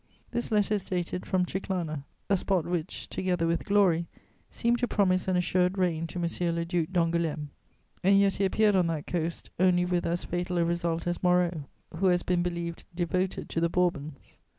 This letter is dated from Chiclana, a spot which, together with glory, seemed to promise an assured reign to M. le Duc d'Angoulême: and yet he appeared on that coast only with as fatal a result as Moreau, who has been believed devoted to the Bourbons.